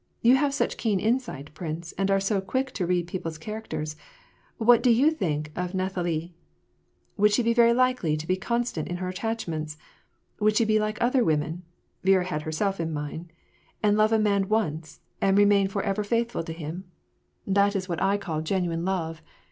" You have such keen insight, prince, and are so quick to read people's characters : what do you think of Nathalie ? Would she be likely to be constant in her attachments ? would she be like other women," — Viera had herself in mind, —" and love a man once, and remain forever faithful to him ? 222 WAR AND PEACE. That is what I call genuine love.